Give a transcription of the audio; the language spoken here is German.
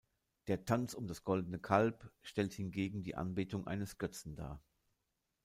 Der "Tanz um das Goldene Kalb" stellt hingegen die Anbetung eines Götzen dar.